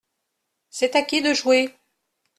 C’est à qui de jouer ?